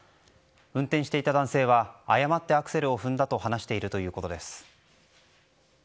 運転していた男性は誤ってアクセルを踏んだと話しているということです。